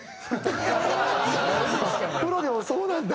プロでもそうなんだ！